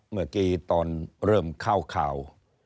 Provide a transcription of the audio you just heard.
เมื่อกี้ตอนเริ่มเข้าข่าว